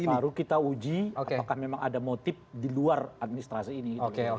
baru kita uji apakah memang ada motif di luar administrasi ini